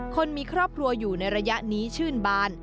คนมีครอบครัวอยู่ในระยะนี้ชื่นบาน